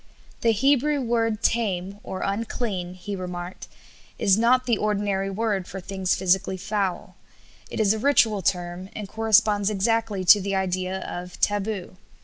"The Hebrew word tame (unclean)," he remarked, "is not the ordinary word for things physically foul; it is a ritual term, and corresponds exactly to the idea of taboo.